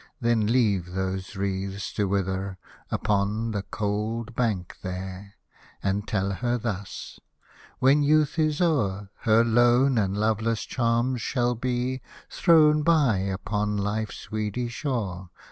Then leave those wreaths to wither Upon the cold bank there ; And tell her thus, when youth is o'er. Her lone and loveless charms shall be Thrown by upon life's weedy shore.